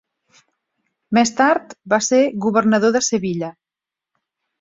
Més tard va ser governador de Sevilla.